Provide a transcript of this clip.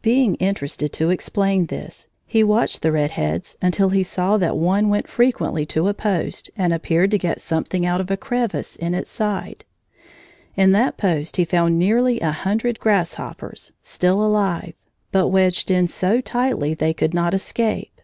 Being interested to explain this, he watched the red heads until he saw that one went frequently to a post, and appeared to get something out of a crevice in its side. In that post he found nearly a hundred grasshoppers, still alive, but wedged in so tightly they could not escape.